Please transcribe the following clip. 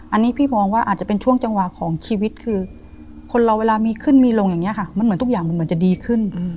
อันนี้พี่มองว่าอาจจะเป็นช่วงจังหวะของชีวิตคือคนเราเวลามีขึ้นมีลงอย่างนี้ค่ะมันเหมือนทุกอย่างมันเหมือนจะดีขึ้น